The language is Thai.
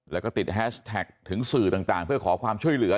แล้วก็ติดทั้งสื่อต่างต่างเพื่อขอความช่วยเหลือ